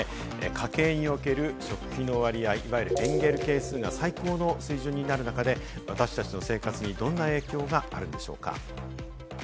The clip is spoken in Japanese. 家計における食費の割合、いわゆるエンゲル係数が最高の水準になる中で、私達の生活にどんな影響があるのでしょうか？